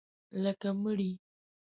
لکه مړی